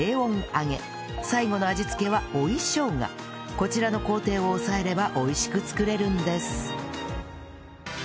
こちらの工程を押さえれば美味しく作れるんです